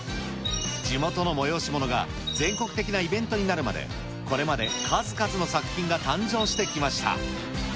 地元の催し物が、全国的なイベントになるまで、これまで数々の作品が誕生してきました。